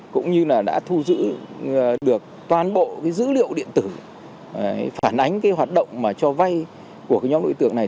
cũng như là đã thu giữ được toàn bộ dữ liệu điện tử phản ánh hoạt động cho vay của nhóm đối tượng này